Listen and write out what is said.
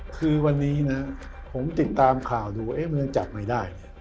คือวันนี้นะผมติดตามข่าวดูมันยังจับไม่ได้